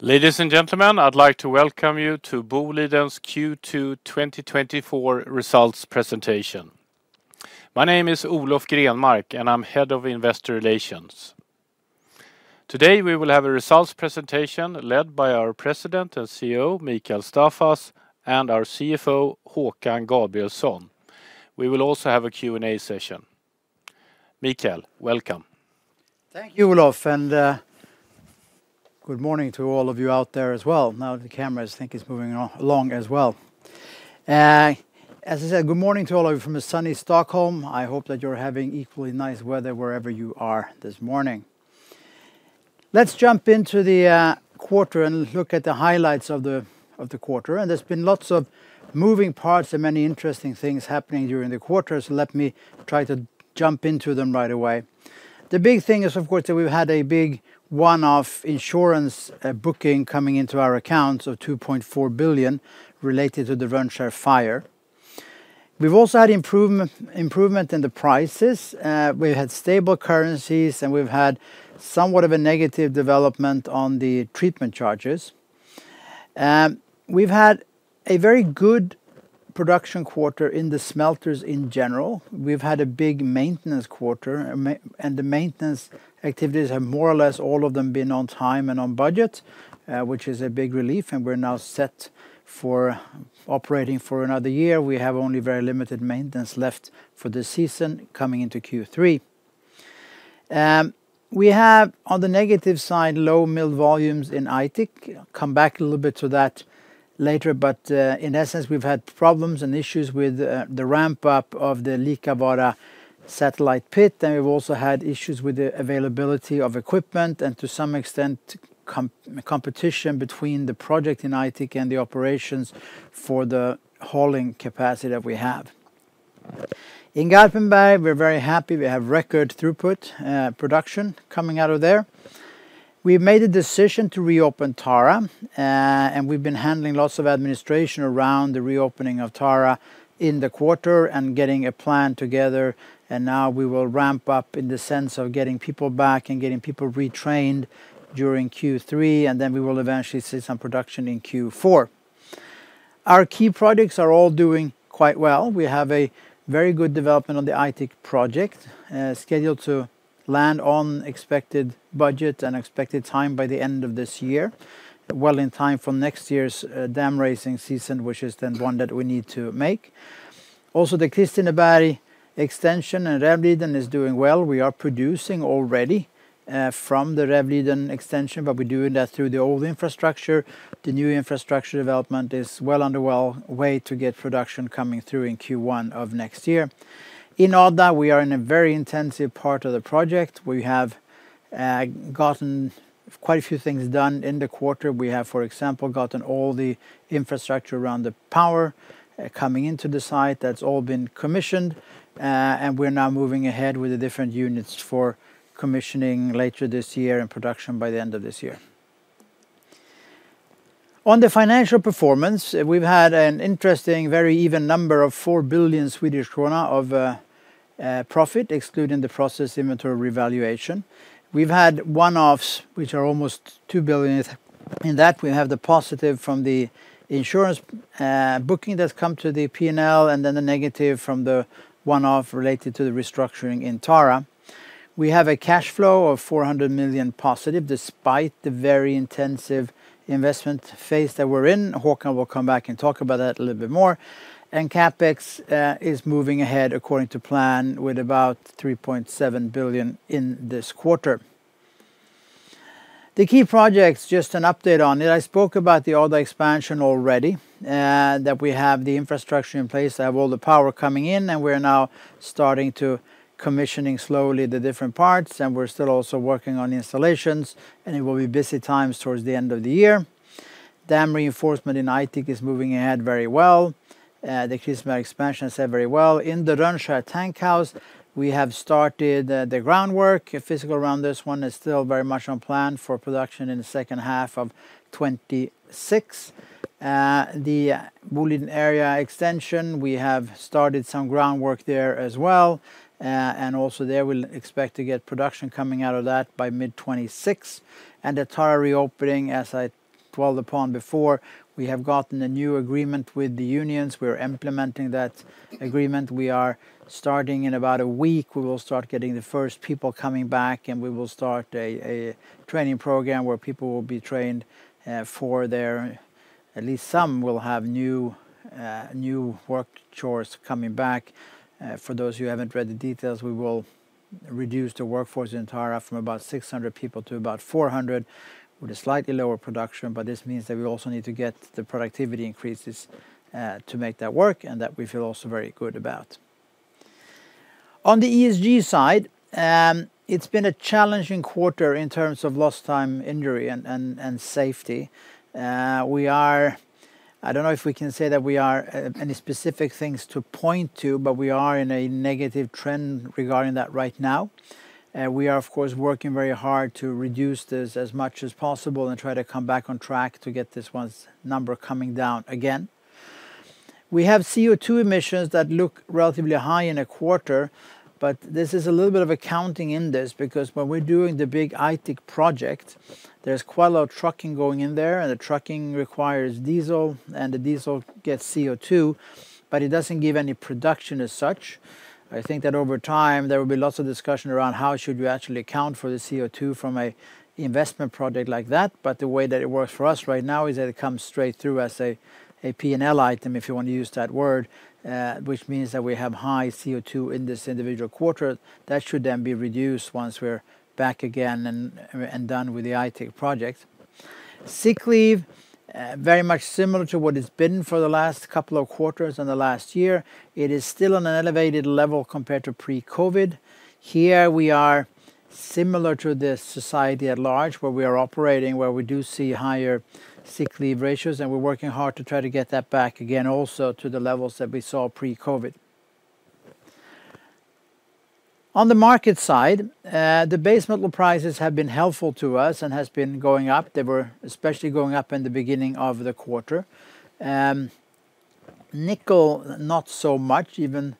Ladies and gentlemen, I'd like to welcome you to Boliden's Q2 2024 Results Presentation. My name is Olof Grenmark, and I'm Head of Investor Relations. Today, we will have a results presentation led by our President and CEO, Mikael Staffas, and our CFO, Håkan Gabrielsson. We will also have a Q&A session. Mikael, welcome. Thank you, Olof, and good morning to all of you out there as well. Now, the cameras think it's moving on along as well. As I said, good morning to all of you from a sunny Stockholm. I hope that you're having equally nice weather wherever you are this morning. Let's jump into the quarter and look at the highlights of the quarter. There's been lots of moving parts and many interesting things happening during the quarter, so let me try to jump into them right away. The big thing is, of course, that we've had a big one-off insurance booking coming into our accounts of 2.4 billion related to the Rönnskär fire. We've also had improvement, improvement in the prices. We've had stable currencies, and we've had somewhat of a negative development on the treatment charges. We've had a very good production quarter in the smelters in general. We've had a big maintenance quarter, and the maintenance activities have more or less all of them been on time and on budget, which is a big relief, and we're now set for operating for another year. We have only very limited maintenance left for the season coming into Q3. We have, on the negative side, low mill volumes in Aitik. Come back a little bit to that later, but, in essence, we've had problems and issues with the ramp-up of the Liikavaara satellite pit, and we've also had issues with the availability of equipment and, to some extent, competition between the project in Aitik and the operations for the hauling capacity that we have. In Garpenberg, we're very happy. We have record throughput, production coming out of there. We've made a decision to reopen Tara, and we've been handling lots of administration around the reopening of Tara in the quarter and getting a plan together, and now we will ramp up in the sense of getting people back and getting people retrained during Q3, and then we will eventually see some production in Q4. Our key projects are all doing quite well. We have a very good development on the Aitik project, scheduled to land on expected budget and expected time by the end of this year, well in time for next year's, dam-raising season, which is then one that we need to make. Also, the Kristineberg extension and Rävliden is doing well. We are producing already, from the Rävliden extension, but we're doing that through the old infrastructure. The new infrastructure development is well underway to get production coming through in Q1 of next year. In all that, we are in a very intensive part of the project. We have gotten quite a few things done in the quarter. We have, for example, gotten all the infrastructure around the power coming into the site. That's all been commissioned, and we're now moving ahead with the different units for commissioning later this year and production by the end of this year. On the financial performance, we've had an interesting, very even number of 4 billion Swedish krona of profit, excluding the process inventory revaluation. We've had one-offs, which are almost 2 billion. In that, we have the positive from the insurance booking that's come to the P&L, and then the negative from the one-off related to the restructuring in Tara. We have a cash flow of 400 million +ve, despite the very intensive investment phase that we're in. Håkan will come back and talk about that a little bit more. CapEx is moving ahead according to plan with about 3.7 billion in this quarter. The key projects, just an update on it. I spoke about the other expansion already, that we have the infrastructure in place, have all the power coming in, and we're now starting to commissioning slowly the different parts, and we're still also working on the installations, and it will be busy times towards the end of the year. Dam reinforcement in Aitik is moving ahead very well. The Kristineberg expansion is set very well. In the Rönnskär tank house, we have started the groundwork. Kevitsa around this one is still very much on plan for production in the second half of 2026. The Boliden Area extension, we have started some groundwork there as well, and also there, we'll expect to get production coming out of that by mid-2026. And the Tara reopening, as I dwelled upon before, we have gotten a new agreement with the unions. We're implementing that agreement. We are starting in about a week. We will start getting the first people coming back, and we will start a training program where people will be trained for their... At least some will have new work chores coming back. For those who haven't read the details, we will reduce the workforce in Tara from about 600 people to about 400, with a slightly lower production. But this means that we also need to get the productivity increases to make that work, and that we feel also very good about. On the ESG side, it's been a challenging quarter in terms of lost time, injury, and safety. We are, I don't know if we can say that we are any specific things to point to, but we are in a negative trend regarding that right now. We are, of course, working very hard to reduce this as much as possible and try to come back on track to get this one's number coming down again. We have CO2 emissions that look relatively high in a quarter, but this is a little bit of accounting in this, because when we're doing the big Aitik project, there's quite a lot of trucking going in there, and the trucking requires diesel, and the diesel gets CO2, but it doesn't give any production as such. I think that over time, there will be lots of discussion around how should we actually account for the CO2 from a investment project like that. But the way that it works for us right now is that it comes straight through as a P&L item, if you wanna use that word, which means that we have high CO2 in this individual quarter. That should then be reduced once we're back again and done with the Aitik project. Sick leave very much similar to what it's been for the last couple of quarters and the last year. It is still on an elevated level compared to pre-COVID. Here, we are similar to the society at large, where we are operating, where we do see higher sick leave ratios, and we're working hard to try to get that back again also to the levels that we saw pre-COVID. On the market side, the base metal prices have been helpful to us and has been going up. They were especially going up in the beginning of the quarter. Nickel, not so much, even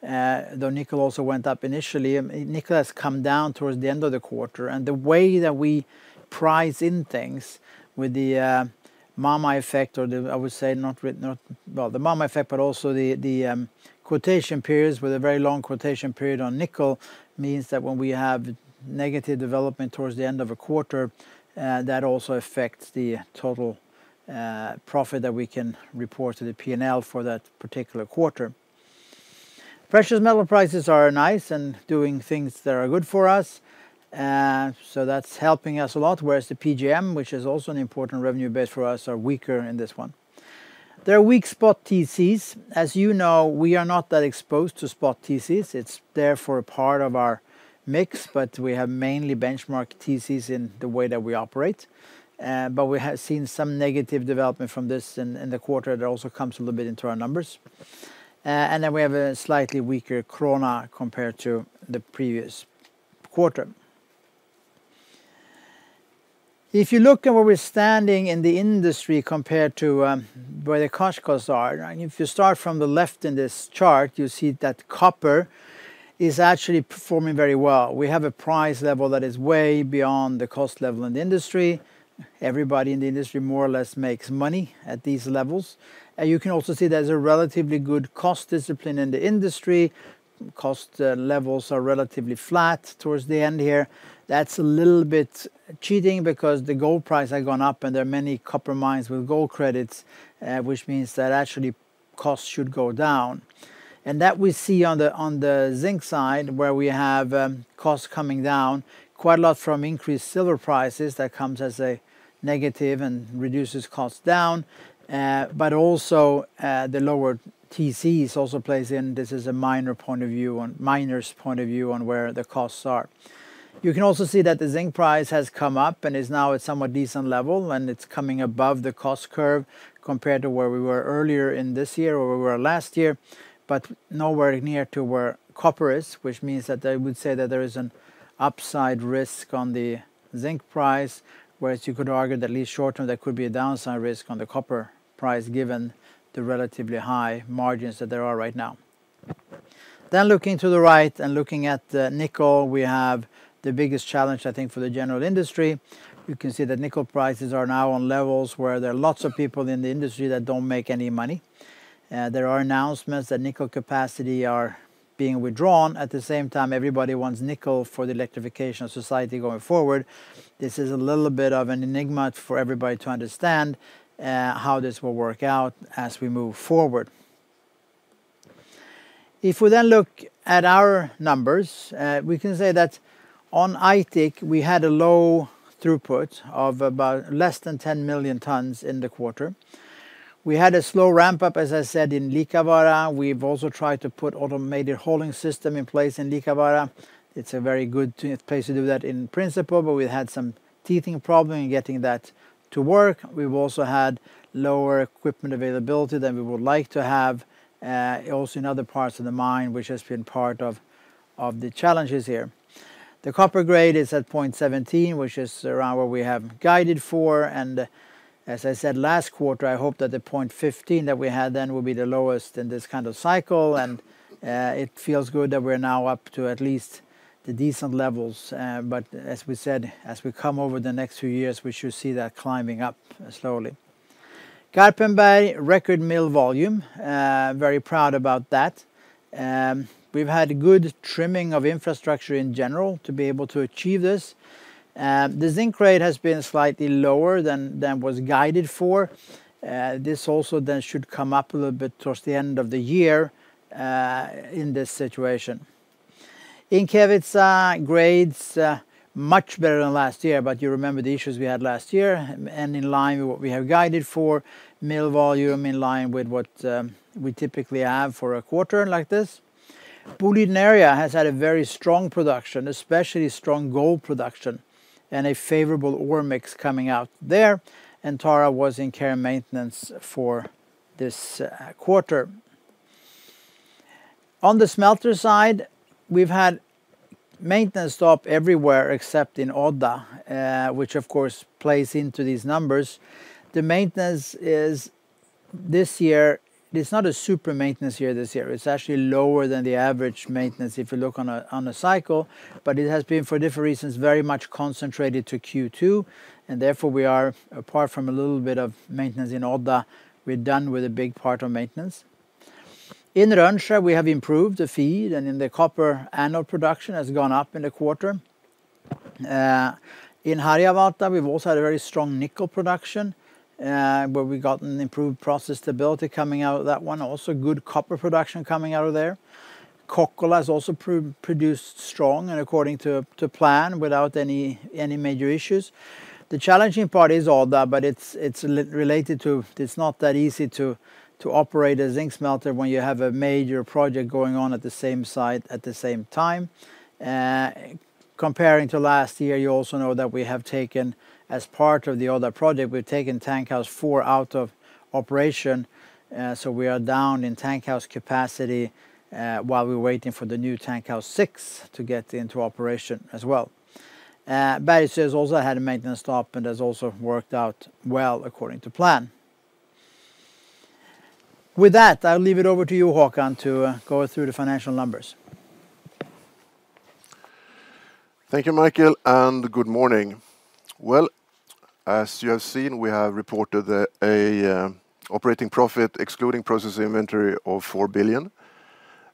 though nickel also went up initially. Nickel has come down towards the end of the quarter, and the way that we price in things with the MAMA effect or the—I would say not with—not... Well, the MAMA effect, but also the quotation periods, with a very long quotation period on nickel, means that when we have negative development towards the end of a quarter, that also affects the total profit that we can report to the P&L for that particular quarter. Precious metal prices are nice and doing things that are good for us. So that's helping us a lot, whereas the PGM, which is also an important revenue base for us, are weaker in this one. There are weak spot TCs. As you know, we are not that exposed to spot TCs. It's therefore a part of our mix, but we have mainly benchmark TCs in the way that we operate. But we have seen some negative development from this in the quarter, that also comes a little bit into our numbers. And then we have a slightly weaker krona compared to the previous quarter. If you look at where we're standing in the industry compared to where the cash costs are, and if you start from the left in this chart, you see that copper is actually performing very well. We have a price level that is way beyond the cost level in the industry. Everybody in the industry more or less makes money at these levels. And you can also see there's a relatively good cost discipline in the industry. Cost levels are relatively flat towards the end here. That's a little bit cheating because the gold price had gone up, and there are many copper mines with gold credits, which means that actually costs should go down. That we see on the zinc side, where we have costs coming down quite a lot from increased silver prices. That comes as a negative and reduces costs down, but also, the lower TCs also plays in. This is a miner's point of view on where the costs are. You can also see that the zinc price has come up and is now at somewhat decent level, and it's coming above the cost curve compared to where we were earlier in this year or where we were last year, but nowhere near to where copper is, which means that I would say that there is an upside risk on the zinc price, whereas you could argue that at least short-term, there could be a downside risk on the copper price, given the relatively high margins that there are right now. Then looking to the right and looking at nickel, we have the biggest challenge, I think, for the general industry. You can see that nickel prices are now on levels where there are lots of people in the industry that don't make any money. There are announcements that nickel capacity are being withdrawn. At the same time, everybody wants nickel for the electrification of society going forward. This is a little bit of an enigma for everybody to understand, how this will work out as we move forward. If we then look at our numbers, we can say that on Aitik, we had a low throughput of about less than 10 million tons in the quarter. We had a slow ramp-up, as I said, in Liikavaara. We've also tried to put automated hauling system in place in Liikavaara. It's a very good place to do that in principle, but we had some teething problem in getting that to work. We've also had lower equipment availability than we would like to have, also in other parts of the mine, which has been part of the challenges here. The copper grade is at 0.17, which is around what we have guided for, and as I said last quarter, I hope that the 0.15 that we had then will be the lowest in this kind of cycle, and it feels good that we're now up to at least the decent levels. But as we said, as we come over the next few years, we should see that climbing up slowly. Garpenberg, record mill volume. Very proud about that. We've had good trimming of infrastructure in general to be able to achieve this. The zinc grade has been slightly lower than was guided for. This also then should come up a little bit towards the end of the year, in this situation. Kevitsa grades much better than last year, but you remember the issues we had last year, and in line with what we have guided for. Mill volume in line with what we typically have for a quarter like this. Boliden Area has had a very strong production, especially strong gold production, and a favorable ore mix coming out there, and Tara was in care and maintenance for this quarter. On the smelter side, we've had maintenance stop everywhere except in Odda, which of course plays into these numbers. The maintenance is this year; it's not a super maintenance year this year. It's actually lower than the average maintenance if you look on a cycle, but it has been, for different reasons, very much concentrated to Q2, and therefore, we are, apart from a little bit of maintenance in Odda, we're done with a big part of maintenance. In Rönnskär, we have improved the feed, and then the copper anode production has gone up in the quarter. In Harjavalta, we've also had a very strong nickel production, where we've got an improved process stability coming out of that one. Also, good copper production coming out of there. Kokkola has also produced strong and according to plan without any major issues. The challenging part is Odda, but it's related to... It's not that easy to operate a zinc smelter when you have a major project going on at the same site at the same time. Comparing to last year, you also know that we have taken, as part of the other project, we've taken Tank House 4 out of operation. So we are down in tank house capacity, while we're waiting for the new Tank House 6 to get into operation as well. Bergsöe has also had a maintenance stop, and has also worked out well according to plan. With that, I'll leave it over to you, Håkan, to go through the financial numbers. Thank you, Mikael, and good morning. Well, as you have seen, we have reported an operating profit, excluding process inventory of 4 billion.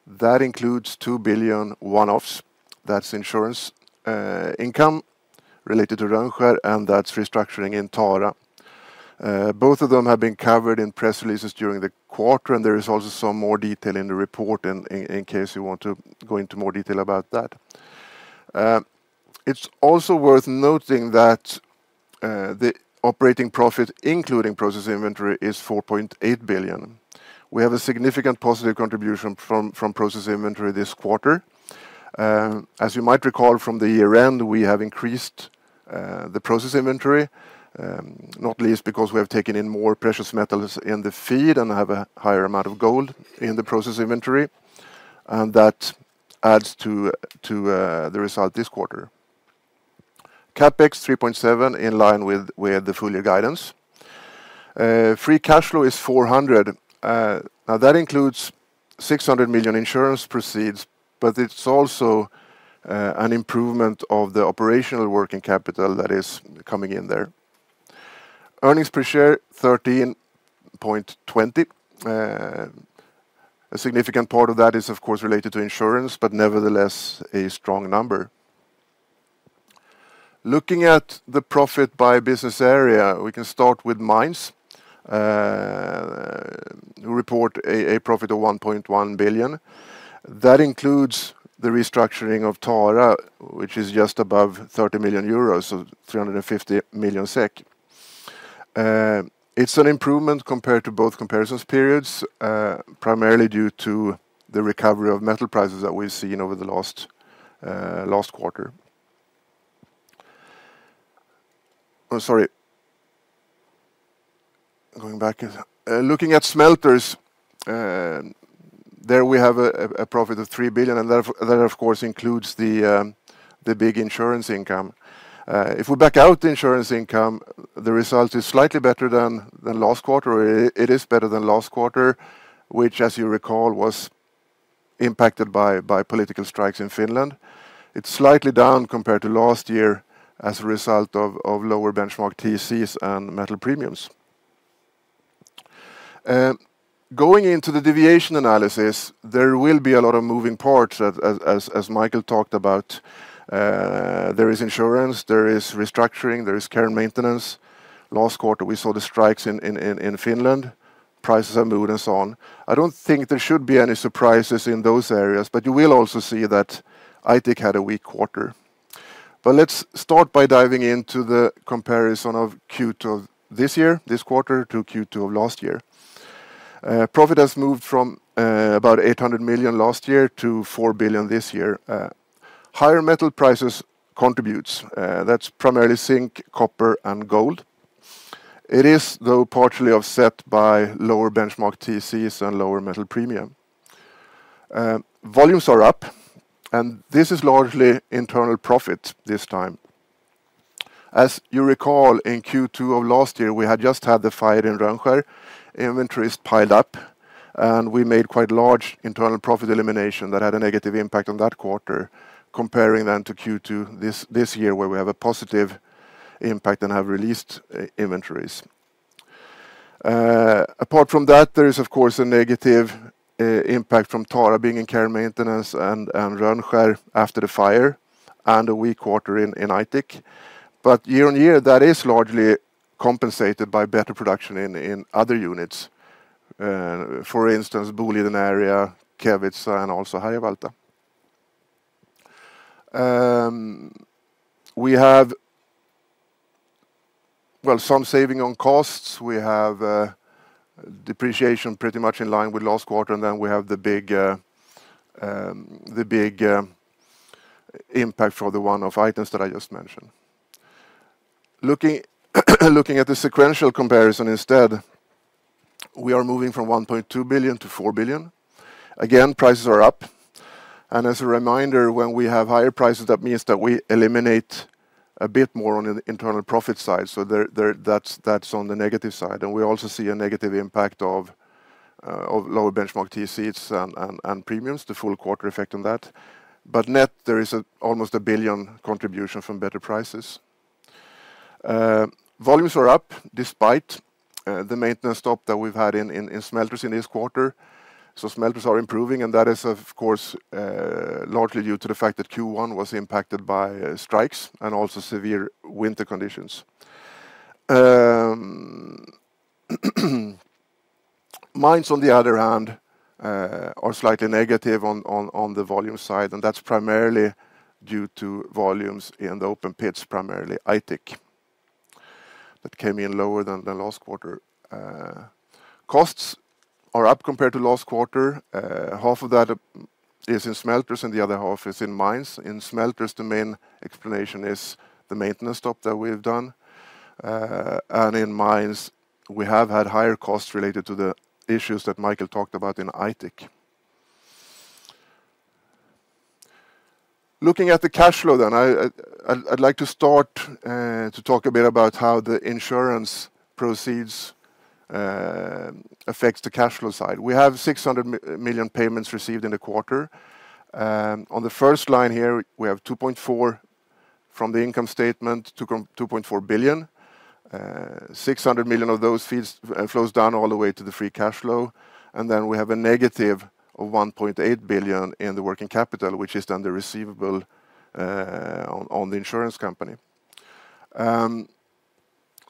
That includes 2 billion one-offs. That's insurance income related to Rönnskär, and that's restructuring in Tara. Both of them have been covered in press releases during the quarter, and there is also some more detail in the report in case you want to go into more detail about that. It's also worth noting that the operating profit, including process inventory, is 4.8 billion. We have a significant positive contribution from process inventory this quarter. As you might recall from the year-end, we have increased the process inventoy, not least because we have taken in more precious metals in the feed and have a higher amount of gold in the process inventory, and that adds to the result this quarter. CapEx 3.7 billion, in line with the full-year guidance. Free cash flow is 400 million. Now, that includes 600 million insurance proceeds, but it's also an improvement of the operational working capital that is coming in there. Earnings per share, 13.20. A significant part of that is, of course, related to insurance, but nevertheless, a strong number. Looking at the profit by business area, we can start with mines. We report a profit of 1.1 billion. That includes the restructuring of Tara, which is just above 30 million euros, so 350 million SEK. It's an improvement compared to both comparison periods, primarily due to the recovery of metal prices that we've seen over the last quarter. Oh, sorry. Going back. Looking at smelters, there we have a profit of 3 billion, and that of course includes the big insurance income. If we back out the insurance income, the result is slightly better than last quarter. It is better than last quarter, which, as you recall, was impacted by political strikes in Finland. It's slightly down compared to last year as a result of lower benchmark TCs and metal premiums. Going into the deviation analysis, there will be a lot of moving parts as Mikael talked about. There is insurance, there is restructuring, there is care and maintenance. Last quarter, we saw the strikes in Finland. Prices have moved and so on. I don't think there should be any surprises in those areas, but you will also see that Aitik had a weak quarter. Let's start by diving into the comparison of Q2 of this year, this quarter, to Q2 of last year. Profit has moved from about 800 million last year to 4 billion this year. Higher metal prices contributes. That's primarily zinc, copper, and gold. It is, though, partially offset by lower benchmark TCs and lower metal premium. Volumes are up, and this is largely internal profit this time. As you recall, in Q2 of last year, we had just had the fire in Rönnskär. Inventories piled up, and we made quite large internal profit elimination that had a negative impact on that quarter, comparing then to Q2 this year, where we have a positive impact and have released inventories. Apart from that, there is, of course, a negative impact from Tara being in care and maintenance and Rönnskär after the fire, and a weak quarter in Aitik. But year on year, that is largely compensated by better production in other units. For instance, Boliden Area, Kevitsa, and also Harjavalta. We have, well, some saving on costs. We have depreciation pretty much in line with last quarter, and then we have the big impact for the one-off items that I just mentioned. Looking at the sequential comparison instead, we are moving from 1.2 billion-4 billion. Again, prices are up, and as a reminder, when we have higher prices, that means that we eliminate a bit more on the internal profit side. So there, that's on the negative side, and we also see a negative impact of lower benchmark TCs and premiums, the full quarter effect on that. But net, there is an almost 1 billion contribution from better prices. Volumes are up despite the maintenance stop that we've had in smelters in this quarter. So smelters are improving, and that is, of course, largely due to the fact that Q1 was impacted by strikes and also severe winter conditions. Mines, on the other hand, are slightly negative on the volume side, and that's primarily due to volumes in the open pits, primarily Aitik, that came in lower than the last quarter. Costs are up compared to last quarter. Half of that is in smelters, and the other half is in mines. In smelters, the main explanation is the maintenance stop that we have done. And in mines, we have had higher costs related to the issues that Mikael talked about in Aitik. Looking at the cash flow then, I'd like to start to talk a bit about how the insurance proceeds affects the cash flow side. We have 600 million payments received in the quarter. On the first line here, we have 2.4 billion from the income statement, 2.4 billion. 600 million of those fees flows down all the way to the free cash flow, and then we have a negative of 1.8 billion in the working capital, which is then the receivable on the insurance company.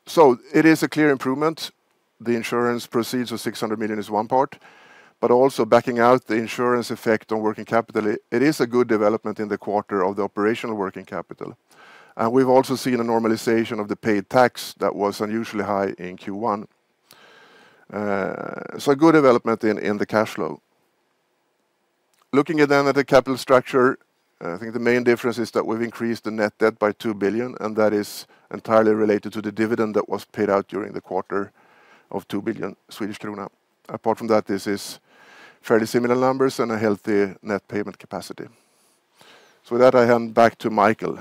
So it is a clear improvement. The insurance proceeds of 600 million is one part, but also backing out the insurance effect on working capital, it is a good development in the quarter of the operational working capital. And we've also seen a normalization of the paid tax that was unusually high in Q1. So a good development in the cash flow. Looking at the capital structure, I think the main difference is that we've increased the net debt by 2 billion, and that is entirely related to the dividend that was paid out during the quarter of 2 billion Swedish krona. Apart from that, this is fairly similar numbers and a healthy net payment capacity. So with that, I hand back to Mikael.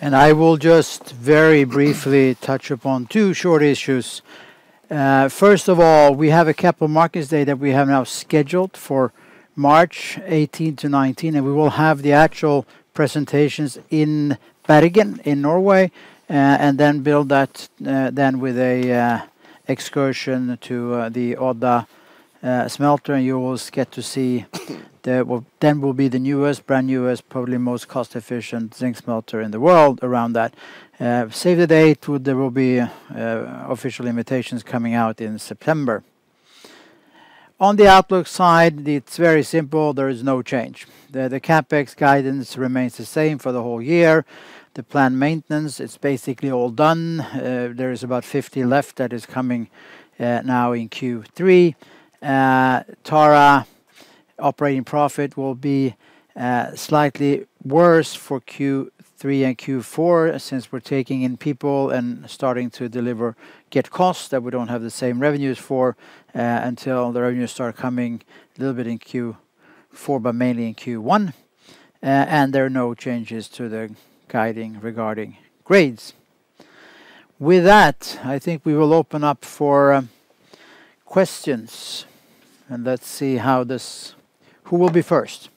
I will just very briefly touch upon two short issues. First of all, we have a Capital Markets Day that we have now scheduled for March 18-19, and we will have the actual presentations in Bergen, in Norway, and then build that, then with a, excursion to, the Odda smelter. And you will get to see the... Well, then will be the newest, brand newest, probably most cost-efficient zinc smelter in the world around that. Save the date. There will be, official invitations coming out in September. On the outlook side, it's very simple. There is no change. The, the CapEx guidance remains the same for the whole year. The planned maintenance, it's basically all done. There is about 50 left that is coming, now in Q3. Tara operating profit will be slightly worse for Q3 and Q4, since we're taking in people and starting to deliver, get costs that we don't have the same revenues for, until the revenues start coming a little bit in Q4, but mainly in Q1. There are no changes to the guiding regarding grades. With that, I think we will open up for questions, and let's see how this—who will be first?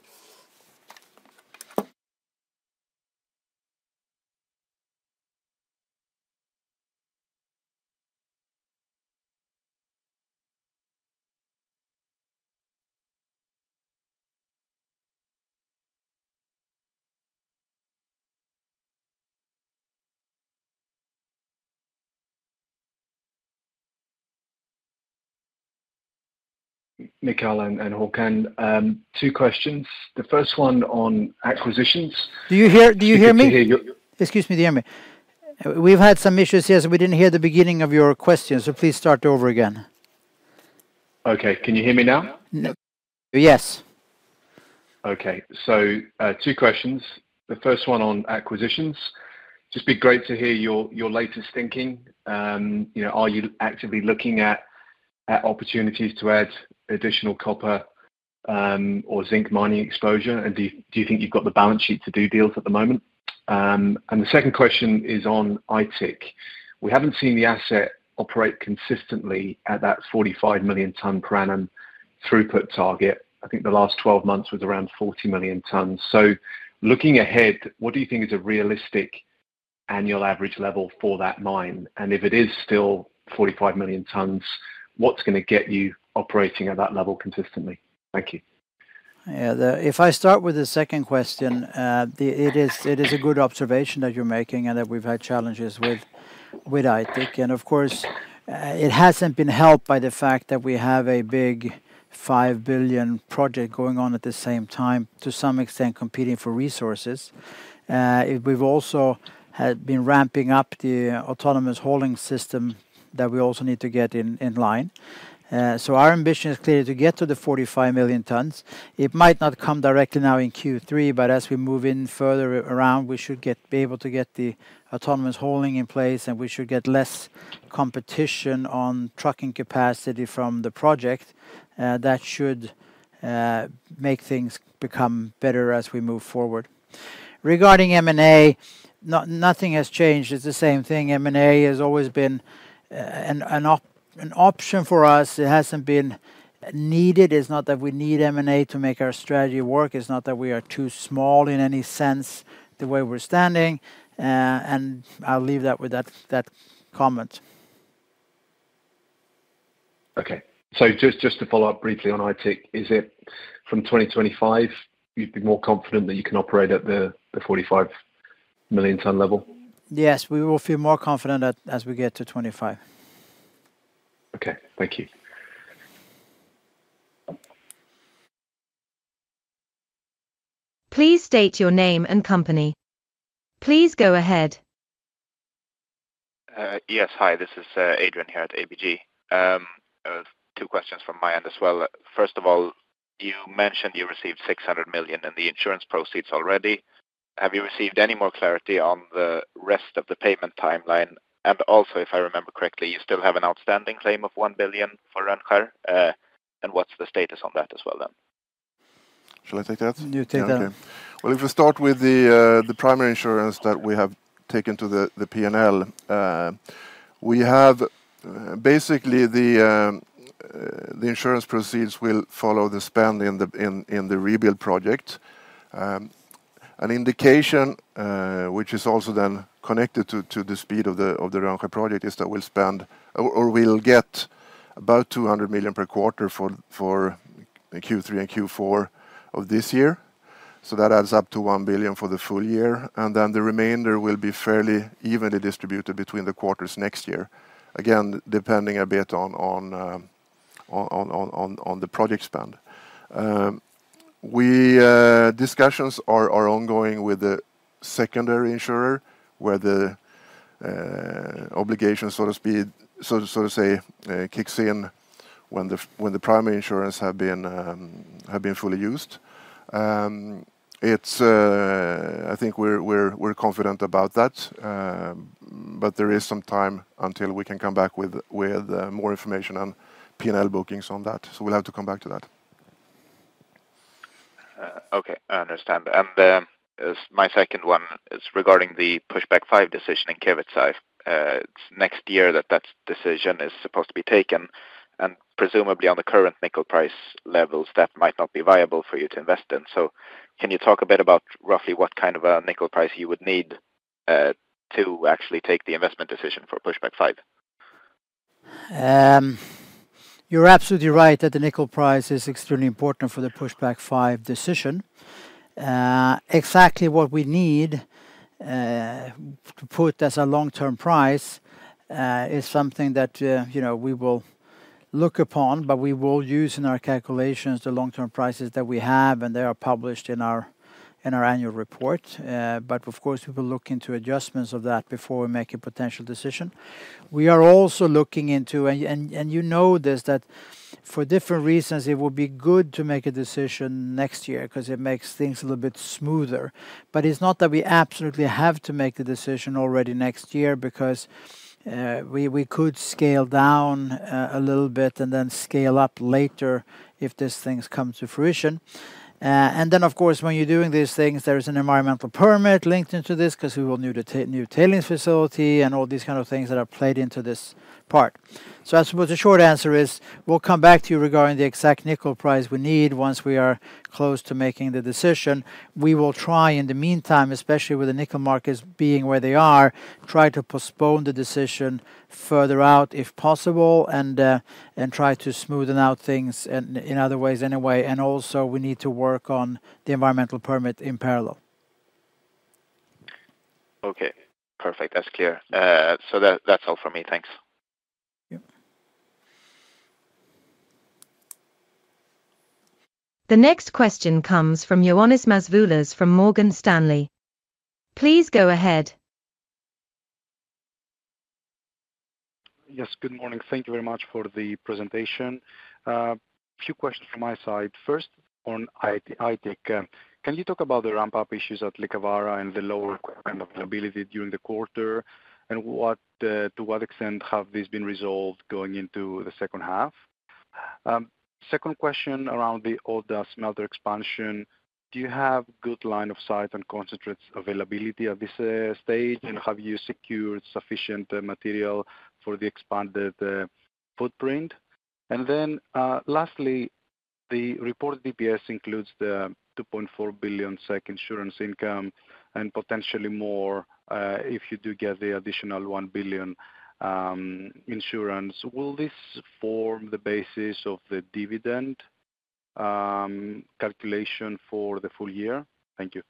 Michael and Håkan, two questions. The first one on acquisitions- Do you hear? Do you hear me? Good to hear you. Excuse me, do you hear me? We've had some issues here, so we didn't hear the beginning of your question, so please start over again. Okay. Can you hear me now? No. Yes. Okay. So, two questions. The first one on acquisitions. Just be great to hear your, your latest thinking. You know, are you actively looking at, at opportunities to add additional copper, or zinc mining exposure? And do you, do you think you've got the balance sheet to do deals at the moment? And the second question is on Aitik. We haven't seen the asset operate consistently at that 45 million ton per annum throughput target. I think the last 12 months was around 40 million tons. So looking ahead, what do you think is a realistic annual average level for that mine? And if it is still 45 million tons, what's gonna get you operating at that level consistently? Thank you. Yeah, if I start with the second question, the, it is a good observation that you're making and that we've had challenges with Aitik. And of course, it hasn't been helped by the fact that we have a big 5 billion project going on at the same time, to some extent competing for resources. We've also had been ramping up the autonomous hauling system that we also need to get in line. So our ambition is clearly to get to the 45 million tons. It might not come directly now in Q3, but as we move in further around, we should be able to get the autonomous hauling in place, and we should get less competition on trucking capacity from the project. That should make things become better as we move forward. Regarding M&A, nothing has changed. It's the same thing. M&A has always been an option for us. It hasn't been needed. It's not that we need M&A to make our strategy work. It's not that we are too small in any sense, the way we're standing. And I'll leave that with that comment. Okay. So just, just to follow up briefly on Aitik, is it from 2025, you'd be more confident that you can operate at the, the 45 million ton level? Yes, we will feel more confident as we get to 2025. Okay. Thank you. Please state your name and company. Please go ahead. Yes, hi, this is Adrian here at ABG. I have two questions from my end as well. First of all, you mentioned you received 600 million in the insurance proceeds already. Have you received any more clarity on the rest of the payment timeline? And also, if I remember correctly, you still have an outstanding claim of 1 billion for Rönnskär. And what's the status on that as well, then? Shall I take that? You take that. Okay. Well, if we start with the primary insurance that we have taken to the P&L, we have... Basically, the insurance proceeds will follow the spend in the rebuild project. An indication, which is also then connected to the speed of the Rönnskär project, is that we'll spend or we'll get about 200 million per quarter for Q3 and Q4 of this year. So that adds up to 1 billion for the full year, and then the remainder will be fairly evenly distributed between the quarters next year. Again, depending a bit on the project spend. Discussions are ongoing with the secondary insurer, where the obligation, so to speak, so to say, kicks in when the primary insurance have been fully used. It's, I think we're confident about that, but there is some time until we can come back with more information on P&L bookings on that, so we'll have to come back to that. Okay, I understand. And, as my second one is regarding the Pushback 5 decision in Kevitsa. It's next year that that decision is supposed to be taken, and presumably, on the current nickel price levels, that might not be viable for you to invest in. So can you talk a bit about roughly what kind of a nickel price you would need, to actually take the investment decision for Pushback 5? You're absolutely right, that the nickel price is extremely important for the Pushback 5 decision. Exactly what we need to put as a long-term price is something that you know we will look upon, but we will use in our calculations the long-term prices that we have, and they are published in our annual report. But of course, we will look into adjustments of that before we make a potential decision. We are also looking into... and you know this, that for different reasons, it would be good to make a decision next year, 'cause it makes things a little bit smoother. But it's not that we absolutely have to make the decision already next year, because we could scale down a little bit and then scale up later if these things come to fruition. And then, of course, when you're doing these things, there is an environmental permit linked into this, 'cause we will build a new tailings facility and all these kind of things that are played into this part. So I suppose the short answer is, we'll come back to you regarding the exact nickel price we need once we are close to making the decision. We will try, in the meantime, especially with the nickel markets being where they are, try to postpone the decision further out, if possible, and, and try to smoothen out things in other ways, anyway. And also, we need to work on the environmental permit in parallel. Okay, perfect. That's clear. So that, that's all for me. Thanks. Yep. The next question comes from Ioannis Masvoulas from Morgan Stanley. Please go ahead. Yes, good morning. Thank you very much for the presentation. A few questions from my side. First, on Aitik. Can you talk about the ramp-up issues at Liikavaara and the lower kind of availability during the quarter, and what to what extent have these been resolved going into the second half? Second question around the Odda expansion. Do you have good line of sight on concentrates availability at this stage? And have you secured sufficient material for the expanded footprint? And then, lastly, the reported EPS includes the 2.4 billion SEK insurance income and potentially more if you do get the additional 1 billion insurance. Will this form the basis of the dividend calculation for the full year? Thank you.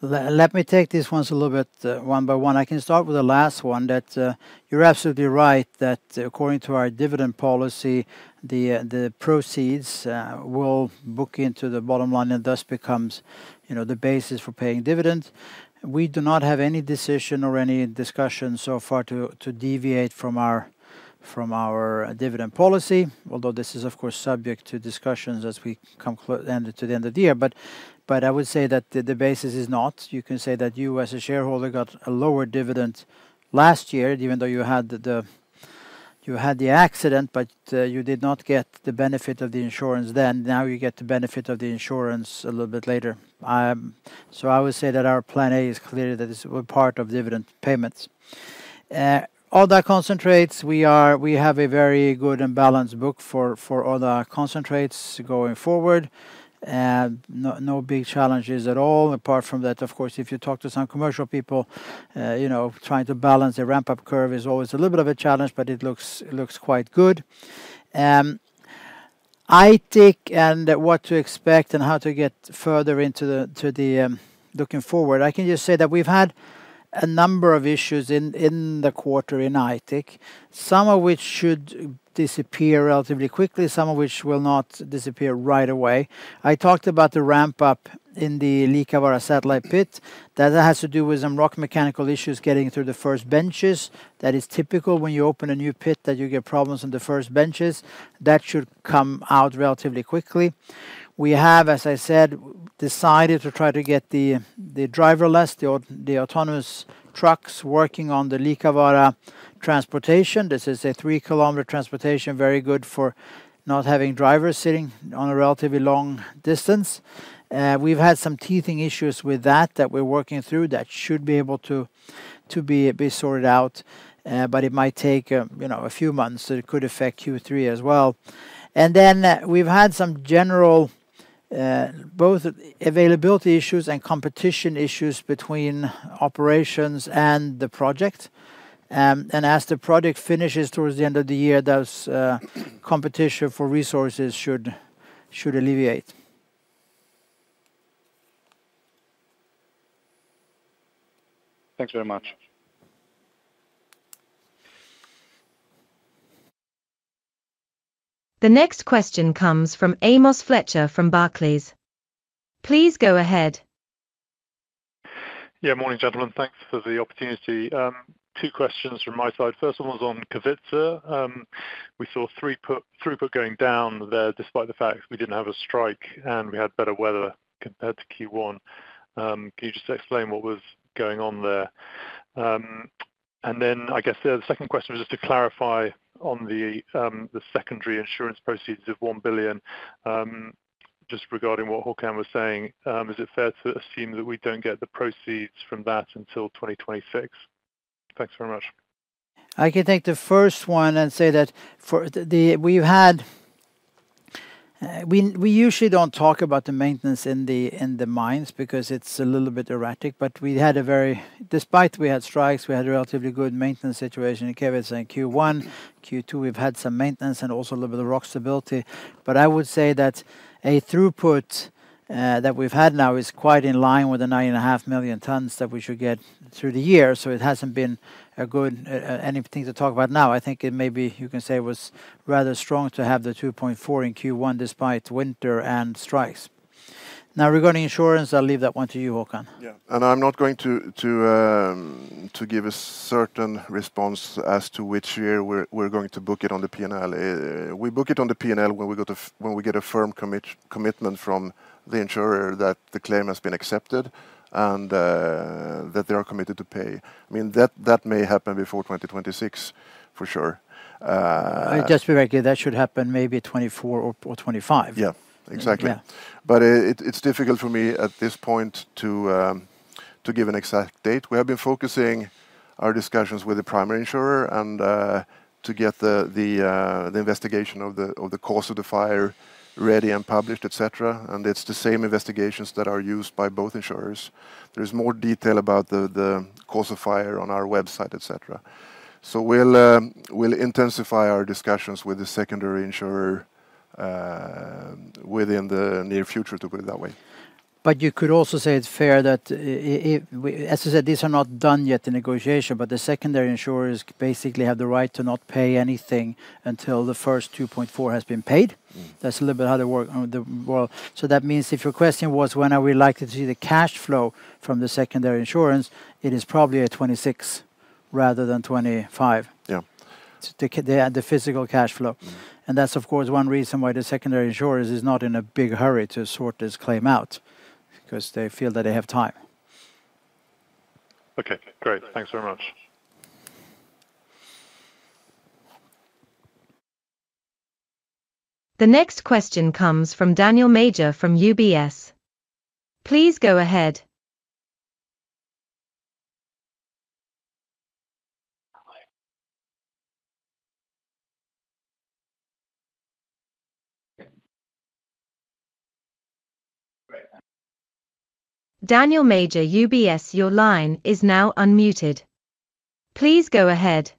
Let me take these ones a little bit, one by one. I can start with the last one, that you're absolutely right, that according to our dividend policy, the proceeds will book into the bottom line and thus becomes, you know, the basis for paying dividends. We do not have any decision or any discussion so far to deviate from our dividend policy, although this is, of course, subject to discussions as we come close to the end of the year. But I would say that the basis is not. You can say that you, as a shareholder, got a lower dividend last year, even though you had the accident, but you did not get the benefit of the insurance then. Now you get the benefit of the insurance a little bit later. So I would say that our plan A is clearly that this will part of dividend payments. All that concentrates, we have a very good and balanced book for all the concentrates going forward. No, no big challenges at all. Apart from that, of course, if you talk to some commercial people, you know, trying to balance a ramp-up curve is always a little bit of a challenge, but it looks quite good. Aitik and what to expect and how to get further into the, to the looking forward, I can just say that we've had a number of issues in the quarter in Aitik, some of which should disappear relatively quickly, some of which will not disappear right away. I talked about the ramp-up in the Liikavaara satellite pit, that has to do with some rock mechanical issues getting through the first benches. That is typical when you open a new pit, that you get problems on the first benches. That should come out relatively quickly. We have, as I said, decided to try to get the driverless, the autonomous trucks working on the Liikavaara transportation. This is a three-kilometer transportation, very good for not having drivers sitting on a relatively long distance. We've had some teething issues with that, that we're working through, that should be able to be sorted out, but it might take a, you know, a few months, so it could affect Q3 as well. And then we've had some general, both availability issues and competition issues between operations and the project. And as the project finishes toward the end of the year, those competition for resources should alleviate. Thanks very much. The next question comes from Amos Fletcher from Barclays. Please go ahead. Yeah, morning, gentlemen. Thanks for the opportunity. Two questions from my side. First one was on Kevitsa. We saw throughput going down there, despite the fact we didn't have a strike, and we had better weather compared to Q1. Can you just explain what was going on there? And then I guess the second question was just to clarify on the secondary insurance proceeds of 1 billion, just regarding what Håkan was saying, is it fair to assume that we don't get the proceeds from that until 2026? Thanks very much. I can take the first one and say that for the. We've had we usually don't talk about the maintenance in the mines because it's a little bit erratic, but, despite we had strikes, we had a relatively good maintenance situation in Kevitsa in Q1. Q2, we've had some maintenance and also a little bit of rock stability. But I would say that a throughput that we've had now is quite in line with the 9.5 million tons that we should get through the year, so it hasn't been a good anything to talk about now. I think it may be, you can say, it was rather strong to have the 2.4 in Q1, despite winter and strikes. Now, regarding insurance, I'll leave that one to you, Håkan. Yeah, and I'm not going to give a certain response as to which year we're going to book it on the P&L. We book it on the P&L when we get a firm commitment from the insurer that the claim has been accepted, and that they are committed to pay. I mean, that may happen before 2026, for sure. I guess, basically, that should happen maybe 2024 or, or 2025. Yeah, exactly. Yeah. But it's difficult for me at this point to give an exact date. We have been focusing our discussions with the primary insurer, and to get the investigation of the cause of the fire ready and published, et cetera, and it's the same investigations that are used by both insurers. There's more detail about the cause of fire on our website, et cetera. So we'll intensify our discussions with the secondary insurer within the near future, to put it that way. But you could also say it's fair that if we... As I said, these are not done yet, the negotiation, but the secondary insurers basically have the right to not pay anything until the first 2.4 has been paid. Mm-hmm. That's a little bit how they work on the whole. So that means if your question was, when are we likely to see the cash flow from the secondary insurance? It is probably at 2026 rather than 2025. Yeah. To get the physical cash flow. Mm-hmm. That's, of course, one reason why the secondary insurers is not in a big hurry to sort this claim out, because they feel that they have time. Okay, great. Thanks very much. The next question comes from Daniel Major from UBS. Please go ahead. Daniel Major, UBS, your line is now unmuted. Please go ahead...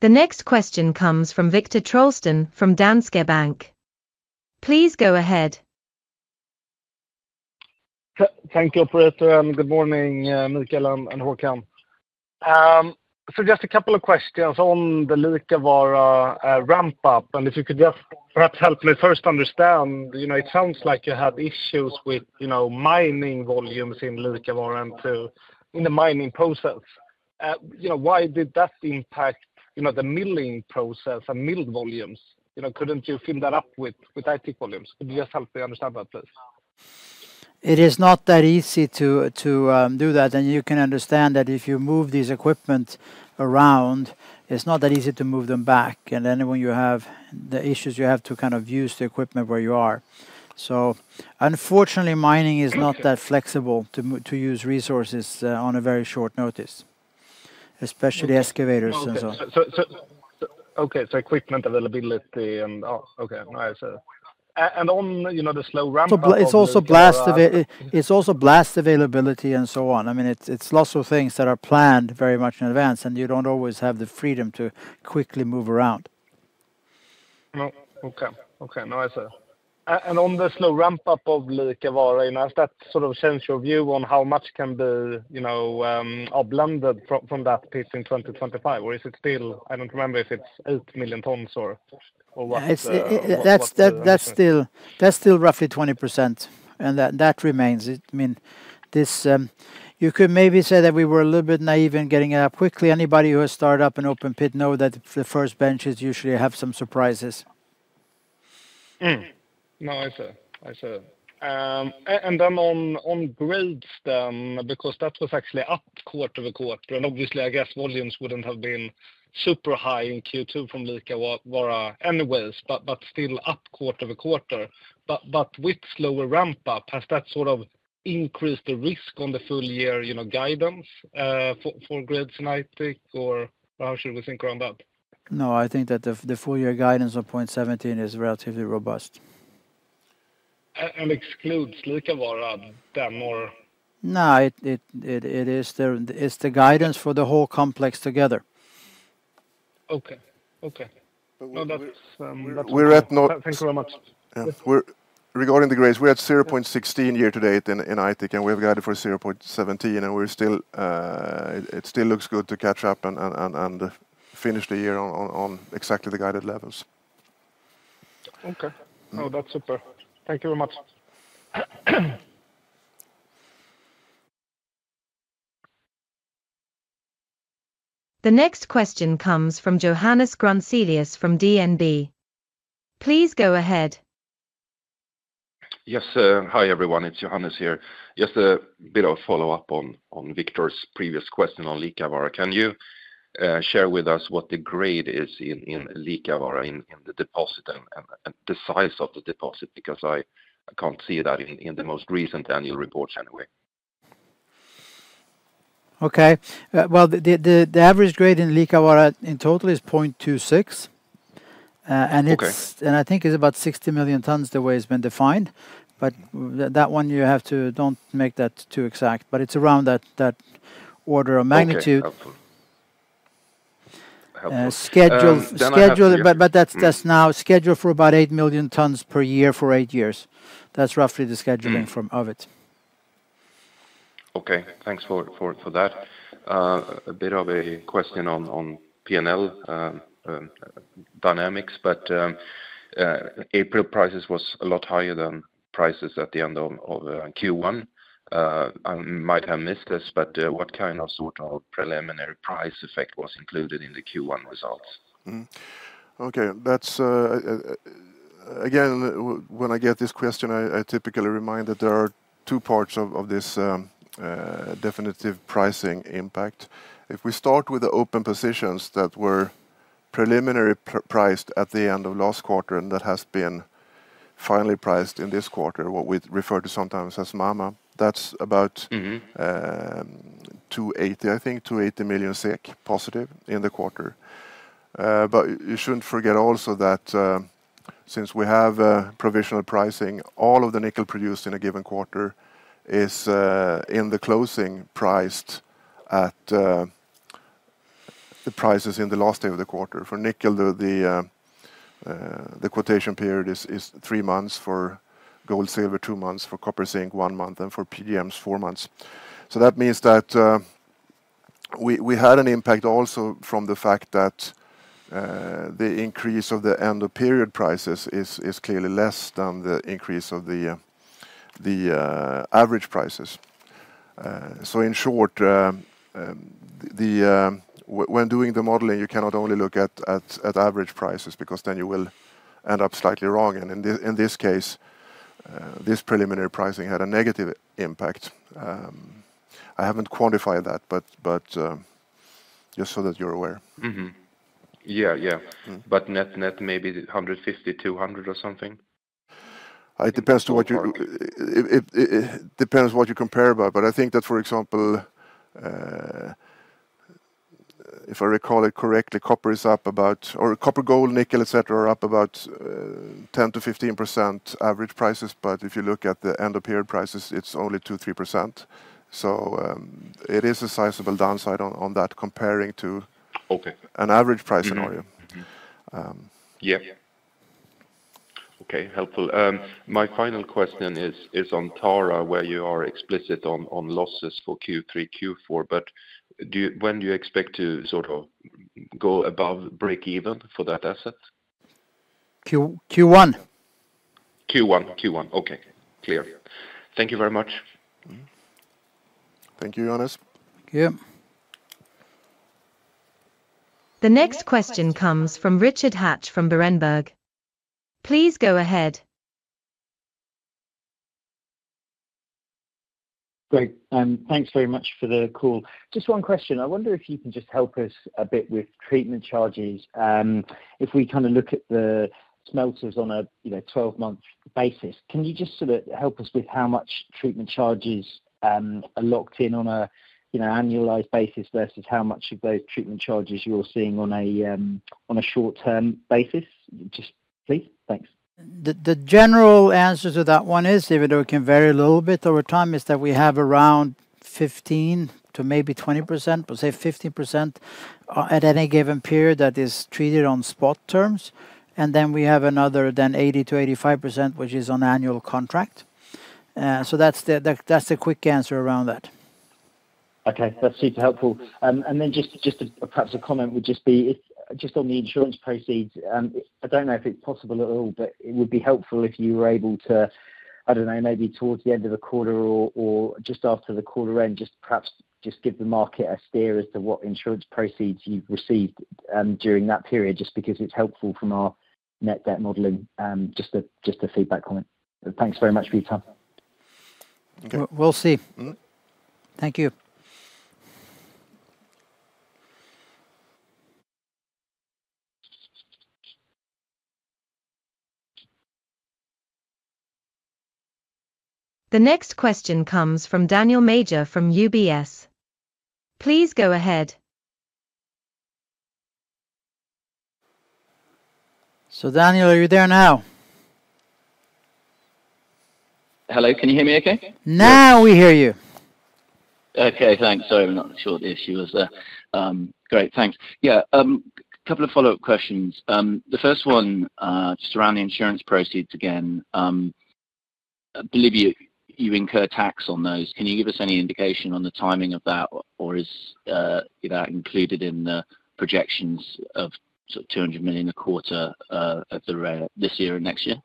The next question comes from Viktor Trollsten from Danske Bank. Please go ahead. Thank you, operator, and good morning, Mikael and Håkan. So just a couple of questions on the Liikavaara ramp-up, and if you could just perhaps help me first understand, you know, it sounds like you had issues with, you know, mining volumes in Liikavaara and in the mining process. You know, why did that impact, you know, the milling process and mill volumes? You know, couldn't you fill that up with Aitik volumes? Could you just help me understand that, please? It is not that easy to do that, and you can understand that if you move these equipment around, it's not that easy to move them back. And then when you have the issues, you have to kind of use the equipment where you are. So unfortunately, mining is not that- Okay... flexible to use resources on a very short notice, especially excavators and so on. Okay. So, equipment availability and... Oh, okay. I see. And on, you know, the slow ramp-up of the... So it's also blast availability and so on. I mean, it's, it's lots of things that are planned very much in advance, and you don't always have the freedom to quickly move around. No, okay. Okay. No, I see. And on the slow ramp-up of Liikavaara, has that sort of changed your view on how much can be, you know, uploaded from that pit in 2025? Or is it still... I don't remember if it's 8 million tons or what the what- That's still roughly 20%, and that remains. I mean, you could maybe say that we were a little bit naive in getting it up quickly. Anybody who has started up an open pit know that the first benches usually have some surprises. No, I see. I see. And then on grades, because that was actually up quarter-over-quarter, and obviously, I guess volumes wouldn't have been super high in Q2 from Liikavaara anyways, but still up quarter-over-quarter. But with slower ramp-up, has that sort of increased the risk on the full year, you know, guidance for grades in Aitik? Or how should we think around that? No, I think that the full year guidance of 0.17 is relatively robust. And excludes Liikavaara then, or? No, it's the guidance for the whole complex together. Okay. Okay. But we- Well, that's- We're at no- Thanks so much. Yeah. We're regarding the grades, we're at 0.16 year to date in Aitik, and we have guided for 0.17, and we're still. It still looks good to catch up and finish the year on exactly the guided levels. Okay. Mm. No, that's super. Thank you very much. The next question comes from Johannes Grunselius from DNB. Please go ahead. Yes, hi, everyone. It's Johannes here. Just a bit of follow-up on Viktor's previous question on Liikavaara. Can you share with us what the grade is in Liikavaara, in the deposit and the size of the deposit? Because I can't see that in the most recent annual reports anyway. Okay. Well, the average grade in Liikavaara in total is 0.26. Okay... and I think it's about 60 million tons the way it's been defined. But that one, don't make that too exact, but it's around that Odda of magnitude. Okay, helpful. Helpful. Uh, schedule- Then I have- Schedule, but that's now- Mm... scheduled for about 8 million tons per year for eight years. That's roughly the scheduling- Mm from, of it. Okay, thanks for that. A bit of a question on P&L dynamics. April prices was a lot higher than prices at the end of Q1. I might have missed this, but what kind of sort of preliminary price effect was included in the Q1 results? Okay, that's again, when I get this question, I typically remind that there are two parts of this definitive pricing impact. If we start with the open positions that were preliminary priced at the end of last quarter, and that has been finally priced in this quarter, what we refer to sometimes as MAMA, that's about- Mm-hmm... 280, I think, 280 million SEK positive in the quarter. But you shouldn't forget also that, since we have a provisional pricing, all of the nickel produced in a given quarter is, in the closing priced at, the prices in the last day of the quarter. For nickel, the quotation period is three months, for gold, silver, two months, for copper, zinc, one month, and for PGMs, four months. So that means that, we had an impact also from the fact that, the increase of the end-of-period prices is clearly less than the increase of the average prices. So in short, when doing the modeling, you cannot only look at average prices because then you will end up slightly wrong. In this case, this preliminary pricing had a negative impact. I haven't quantified that, but just so that you're aware. Mm-hmm. Yeah, yeah. Mm. But net-net, maybe 150-200 or something? It depends on what you- Or- It depends what you compare about. But I think that, for example, if I recall it correctly, copper is up about... Or copper, gold, nickel, et cetera, are up about, 10%-15% average prices. But if you look at the end-of-period prices, it's only 2-3%. So, it is a sizable downside on that comparing to- Okay... an average price scenario. Mm-hmm. Mm-hmm. Um- Yeah. ... Okay, helpful. My final question is on Tara, where you are explicit on losses for Q3, Q4, but do you, when do you expect to sort of go above breakeven for that asset? Q, Q1. Q1, Q1. Okay, clear. Thank you very much. Mm-hmm. Thank you, Jonas. Yeah. The next question comes from Richard Hatch from Berenberg. Please go ahead. Great, and thanks very much for the call. Just one question: I wonder if you can just help us a bit with treatment charges. If we kind of look at the smelters on a, you know, 12-month basis, can you just sort of help us with how much treatment charges are locked in on a, you know, annualized basis versus how much of those treatment charges you're seeing on a short-term basis? Just please. Thanks. The general answer to that one is, even though it can vary a little bit over time, is that we have around 15%-20%, but say 15%, at any given period that is treated on spot terms, and then we have another then 80%-85%, which is on annual contract. So that's the quick answer around that. Okay. That's super helpful. And then just, just perhaps a comment would just be, if just on the insurance proceeds, I don't know if it's possible at all, but it would be helpful if you were able to, I don't know, maybe towards the end of the quarter or, or just after the quarter end, just perhaps just give the market a steer as to what insurance proceeds you've received, during that period, just because it's helpful from our net debt modeling. Just a, just a feedback comment. Thanks very much for your time. Okay. We'll see. Mm-hmm. Thank you. The next question comes from Daniel Major from UBS. Please go ahead. So, Daniel, are you there now? Hello, can you hear me okay? Now we hear you. Okay, thanks. Sorry about that. Not sure what the issue was there. Great, thanks. Yeah, a couple of follow-up questions. The first one, just around the insurance proceeds again. I believe you, you incur tax on those. Can you give us any indication on the timing of that, or is, that included in the projections of sort of 200 million a quarter, at the rate this year and next year?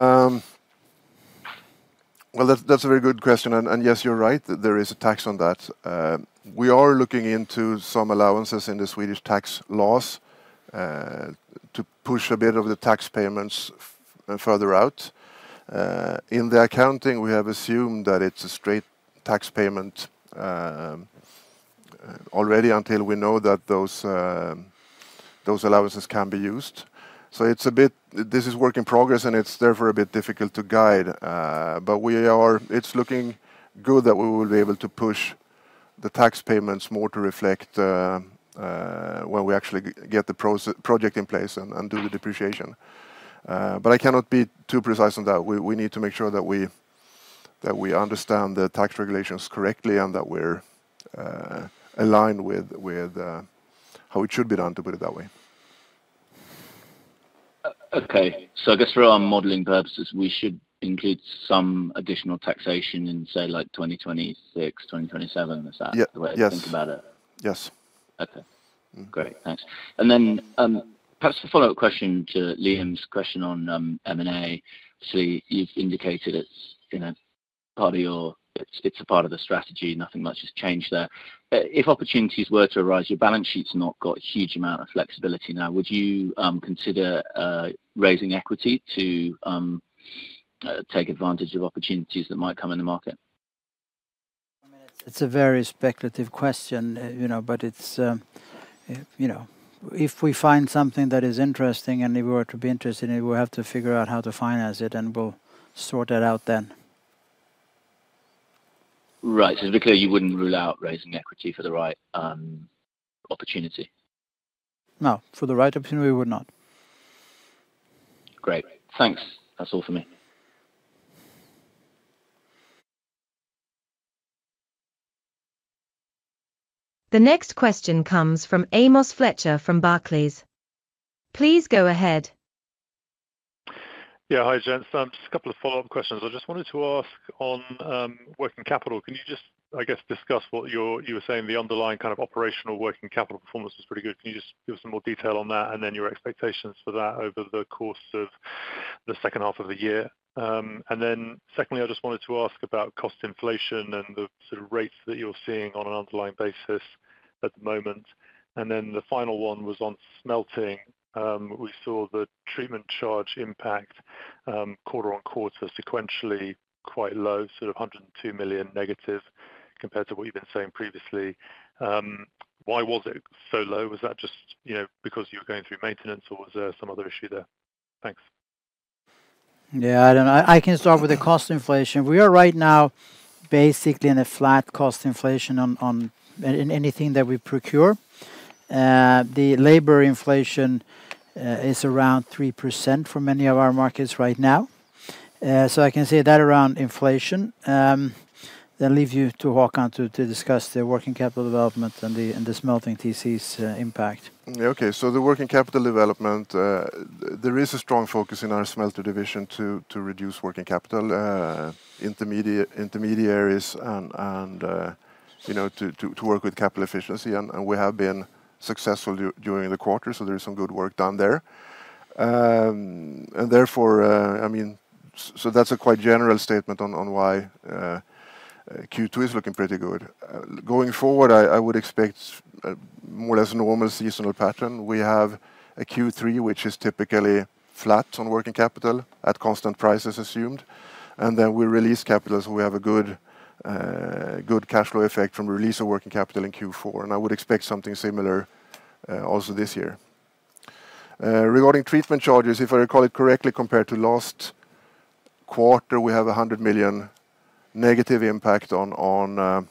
Well, that's a very good question, and yes, you're right, there is a tax on that. We are looking into some allowances in the Swedish tax laws to push a bit of the tax payments further out. In the accounting, we have assumed that it's a straight tax payment already until we know that those allowances can be used. So it's a bit... This is work in progress, and it's therefore a bit difficult to guide. But we are. It's looking good that we will be able to push the tax payments more to reflect when we actually get the project in place and do the depreciation. But I cannot be too precise on that. We need to make sure that we understand the tax regulations correctly, and that we're aligned with how it should be done, to put it that way. Okay. So I guess for our modeling purposes, we should include some additional taxation in, say, like, 2026, 2027. Is that- Yeah. Yes the way to think about it? Yes. Okay. Mm-hmm. Great, thanks. And then, perhaps a follow-up question to Liam's question on M&A. So you've indicated it's, you know, part of the strategy, nothing much has changed there. But if opportunities were to arise, your balance sheet's not got a huge amount of flexibility now. Would you consider raising equity to take advantage of opportunities that might come in the market? I mean, it's, it's a very speculative question, you know, but it's, you know, if we find something that is interesting and if we were to be interested in it, we'll have to figure out how to finance it, and we'll sort that out then. Right. So just to be clear, you wouldn't rule out raising equity for the right opportunity? No, for the right opportunity, we would not. Great. Thanks. That's all for me. The next question comes from Amos Fletcher from Barclays. Please go ahead. Yeah. Hi, gents. Just a couple of follow-up questions. I just wanted to ask on working capital, can you just, I guess, discuss what you were saying the underlying kind of operational working capital performance was pretty good. Can you just give some more detail on that, and then your expectations for that over the course of the second half of the year? And then secondly, I just wanted to ask about cost inflation and the sort of rates that you're seeing on an underlying basis at the moment. And then the final one was on smelting. We saw the treatment charge impact quarter-over-quarter sequentially quite low, sort of 102 million negative, compared to what you've been saying previously. Why was it so low? Was that just, you know, because you were going through maintenance, or was there some other issue there? Thanks. Yeah, I don't know. I can start with the cost inflation. We are right now basically in a flat cost inflation in anything that we procure. The labor inflation is around 3% for many of our markets right now. So I can say that around inflation, then leave you to Håkan to discuss the working capital development and the smelting TCs impact. Okay. So the working capital development, there is a strong focus in our smelter division to reduce working capital, intermediaries and, you know, to work with capital efficiency, and we have been successful during the quarter, so there is some good work done there. And therefore, I mean, so that's a quite general statement on why Q2 is looking pretty good. Going forward, I would expect more or less normal seasonal pattern. We have a Q3, which is typically flat on working capital at constant prices assumed, and then we release capital, so we have a good cash flow effect from release of working capital in Q4, and I would expect something similar also this year. Regarding treatment charges, if I recall it correctly, compared to last quarter, we have 100 million negative impact on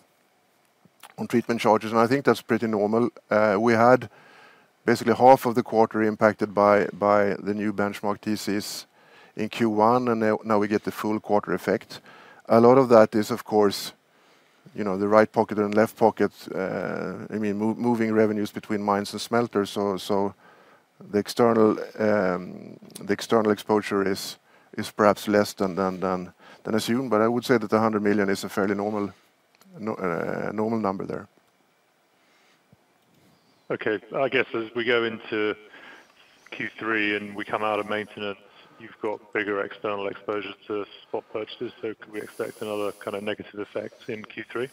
treatment charges, and I think that's pretty normal. We had basically half of the quarter impacted by the new benchmark TCs in Q1, and now, now we get the full quarter effect. A lot of that is, of course, you know, the right pocket and left pocket, I mean, moving revenues between mines and smelters, so the external exposure is perhaps less than assumed, but I would say that the 100 million is a fairly normal number there. Okay. I guess as we go into Q3, and we come out of maintenance, you've got bigger external exposure to spot purchases, so can we expect another kind of negative effect in Q3?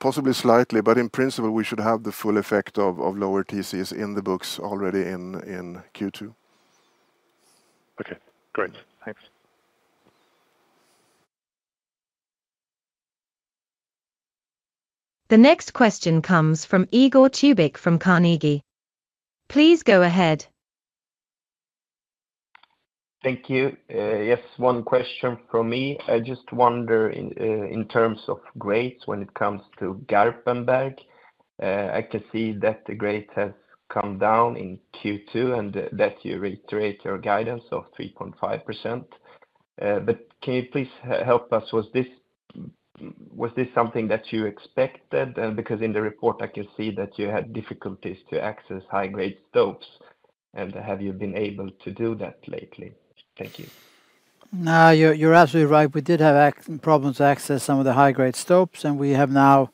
Possibly slightly, but in principle, we should have the full effect of lower TC's in the books already in Q2. Okay, great. Thanks. The next question comes from Igor Tubic from Carnegie. Please go ahead. Thank you. Yes, one question from me. I just wonder in, in terms of grades when it comes to Garpenberg, I can see that the grade has come down in Q2, and that you reiterate your guidance of 3.5%. But can you please help us? Was this, was this something that you expected? Because in the report, I can see that you had difficulties to access high-grade stopes, and have you been able to do that lately? Thank you. No, you're, you're absolutely right. We did have access problems to access some of the high-grade stopes, and we have now,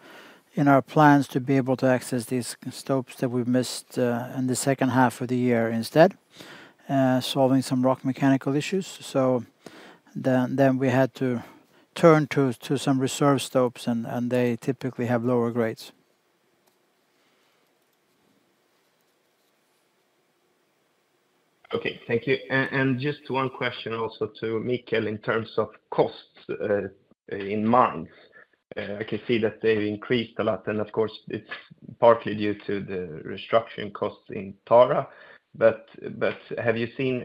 in our plans, to be able to access these stopes that we've missed in the second half of the year instead, solving some rock mechanics issues. So then we had to turn to some reserve stopes, and they typically have lower grades. Okay, thank you. Just one question also to Mikael in terms of costs in months. I can see that they've increased a lot, and of course, it's partly due to the restructuring costs in Tara, but have you seen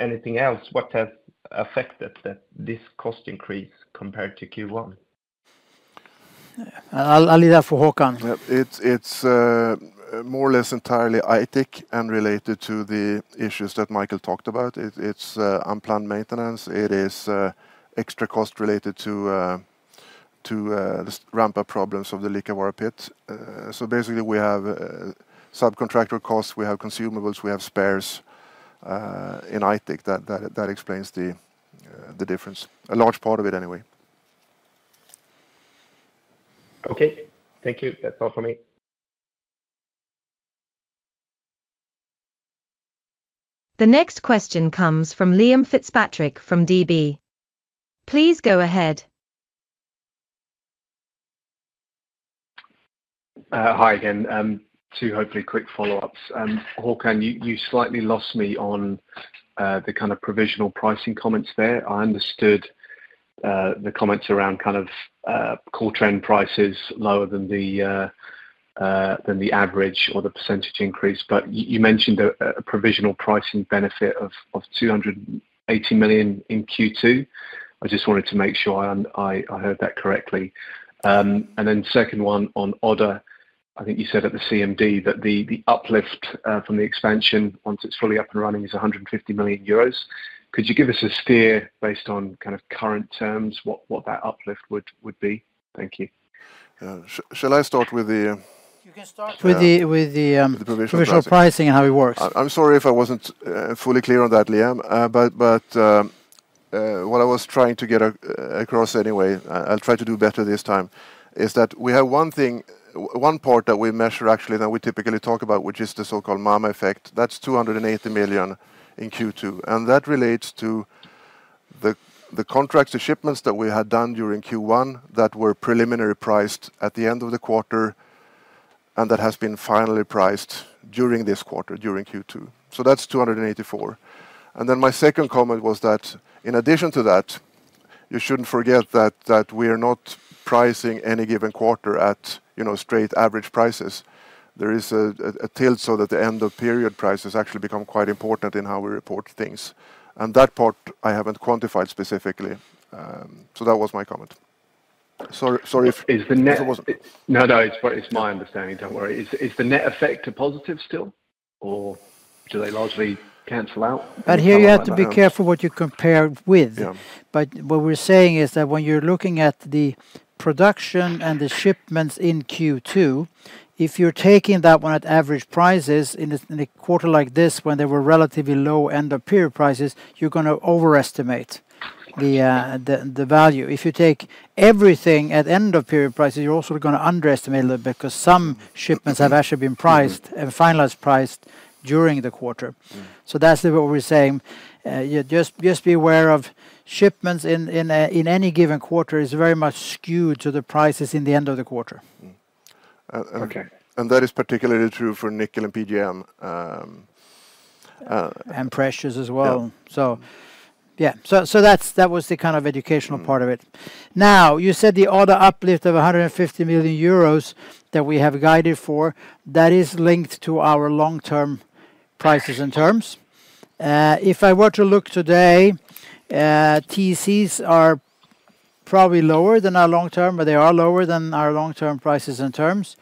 anything else? What has affected that, this cost increase compared to Q1? I'll leave that for Håkan. Yeah, it's more or less entirely Aitik, and related to the issues that Mikael talked about. It's unplanned maintenance. It is extra cost related to the ramp-up problems of the Liikavaara pit. So basically, we have subcontractor costs, we have consumables, we have spares in Aitik that explains the difference, a large part of it, anyway. Okay, thank you. That's all for me. The next question comes from Liam Fitzpatrick from DB. Please go ahead. Hi again. Two hopefully quick follow-ups. Håkan, you slightly lost me on the kind of provisional pricing comments there. I understood the comments around kind of core trend prices lower than the average or the percentage increase, but you mentioned a provisional pricing benefit of 280 million in Q2. I just wanted to make sure I heard that correctly. And then second one on Odda. I think you said at the CMD that the uplift from the expansion, once it's fully up and running, is 150 million euros. Could you give us a figure based on kind of current terms, what that uplift would be? Thank you. Shall I start with the, You can start- Yeah... with the The provisional pricing... provisional pricing and how it works. I'm sorry if I wasn't fully clear on that, Liam, but what I was trying to get across anyway, I'll try to do better this time, is that we have one part that we measure, actually, that we typically talk about, which is the so-called MAMA effect. That's 280 million in Q2, and that relates to the contracts, the shipments that we had done during Q1, that were preliminary priced at the end of the quarter, and that has been finally priced during this quarter, during Q2, so that's 284 million. And then my second comment was that in addition to that, you shouldn't forget that we are not pricing any given quarter at, you know, straight average prices. There is a tilt so that the end of period prices actually become quite important in how we report things, and that part I haven't quantified specifically. So that was my comment. Sorry, sorry if- Is the net- - No, no, it's my understanding, don't worry. Is the net effect a positive still, or do they largely cancel out? But here you have to be careful what you compare with. Yeah. But what we're saying is that when you're looking at the production and the shipments in Q2, if you're taking that one at average prices in a quarter like this, when they were relatively low end of period prices, you're gonna overestimate the value. If you take everything at end of period prices, you're also gonna underestimate a little bit, 'cause some shipments have actually been priced- Mm-hmm... and finalized prices during the quarter. Mm. That's what we're saying. Yeah, just be aware of shipments in any given quarter is very much skewed to the prices in the end of the quarter. Mm, okay. And that is particularly true for nickel and PGM. And precious as well. Yeah. So yeah. So, so that's, that was the kind of educational part of it. Mm. Now, you said the order uplift of 150 million euros that we have guided for, that is linked to our long-term prices and terms. If I were to look today, TCs are probably lower than our long-term, but they are lower than our long-term prices and terms.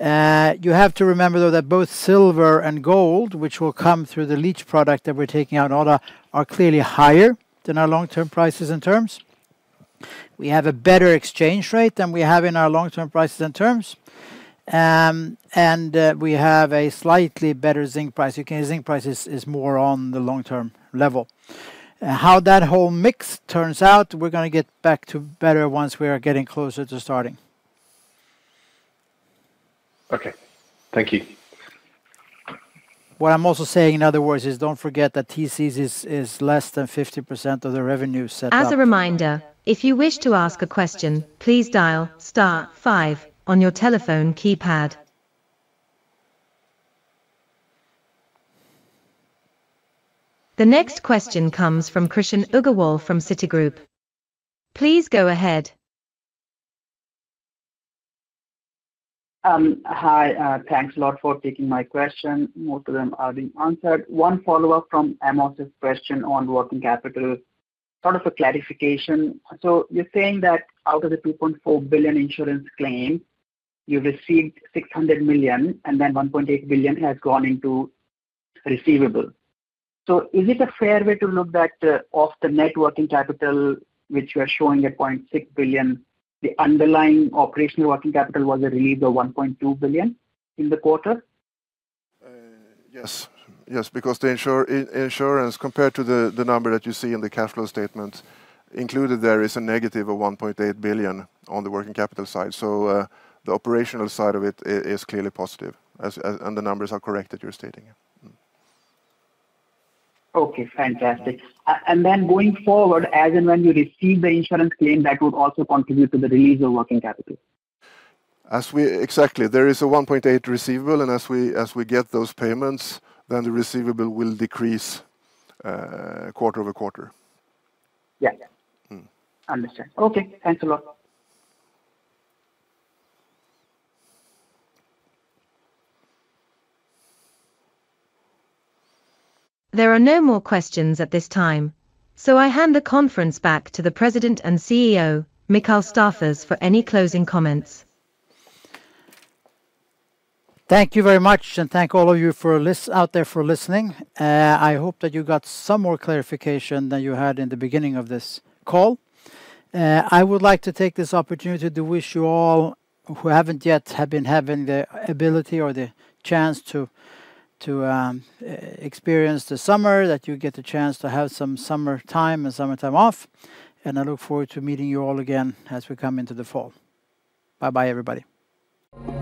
You have to remember, though, that both silver and gold, which will come through the leach product that we're taking out order, are clearly higher than our long-term prices and terms. We have a better exchange rate than we have in our long-term prices and terms. And, we have a slightly better zinc price. Okay, zinc price is more on the long-term level. How that whole mix turns out, we're gonna get back to better once we are getting closer to starting. Okay. Thank you. What I'm also saying, in other words, is don't forget that TCs is, is less than 50% of the revenue set up. As a reminder, if you wish to ask a question, please dial star five on your telephone keypad. The next question comes from Krishan Agarwal from Citigroup. Please go ahead. Hi, thanks a lot for taking my question. Most of them are being answered. One follow-up from Amos's question on working capital, sort of a clarification. So you're saying that out of the 2.4 billion insurance claim, you received 600 million, and then 1.8 billion has gone into receivables. So is it a fair way to look that, off the net working capital, which you are showing at 0.6 billion, the underlying operational working capital was a release of 1.2 billion in the quarter? Yes. Yes, because the insurance, compared to the number that you see in the cash flow statement, included there is a negative of 1.8 billion on the working capital side. So, the operational side of it is clearly positive, as... and the numbers are correct that you're stating it. Okay, fantastic. And then going forward, as and when you receive the insurance claim, that would also contribute to the release of working capital? As we... Exactly. There is a 1.8 receivable, and as we get those payments, then the receivable will decrease quarter-over-quarter. Yeah. Mm. Understand. Okay, thanks a lot. There are no more questions at this time, so I hand the conference back to the President and CEO, Mikael Staffas, for any closing comments. Thank you very much, and thank all of you out there for listening. I hope that you got some more clarification than you had in the beginning of this call. I would like to take this opportunity to wish you all, who haven't yet have been having the ability or the chance to experience the summer, that you get the chance to have some summertime and summertime off, and I look forward to meeting you all again as we come into the fall. Bye-bye, everybody.